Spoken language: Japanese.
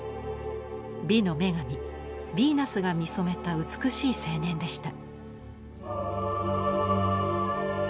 美の女神ヴィーナスが見初めた美しい青年でした。